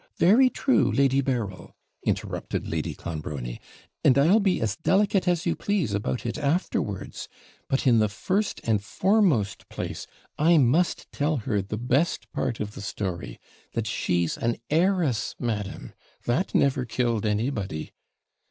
very true, Lady Berryl,' interrupted Lady Clonbrony; 'and I'll be as delicate as you please about it afterwards; but, in the first and foremost place, I must tell her the best part of the story that she's an heiress, madam, never killed anybody!'